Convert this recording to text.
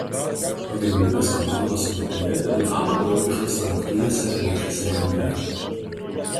Pagrindinės komandos sudėtyje debiutavo draugiškose rungtynėse prieš Islandiją.